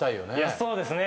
そうですね。